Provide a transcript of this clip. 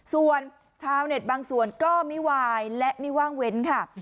ส่วนชาวเน็ตบางส่วนก็ไม่วายและไม่ว่างเว้นค่ะ